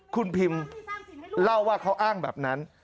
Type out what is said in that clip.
คุณพิมเล่าว่าเขาอ้างแบบนั้น